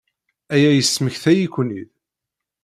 Aya yesmektay-iyi-ken-id.